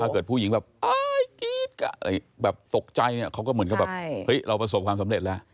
ถ้าเกิดผู้หญิงแบบกรี๊ดกะตกใจเขาก็เหมือนกับเราประสบความสำเร็จแล้ว